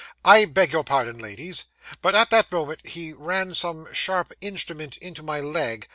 'I beg your pardon, ladies, but at that moment he ran some sharp instrument into my leg.